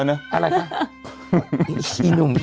อุ๊ยรออยู่